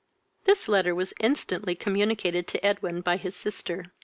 This letter was instantly communicated to Edwin by his sister.